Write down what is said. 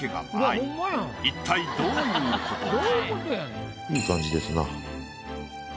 一体どういうことか？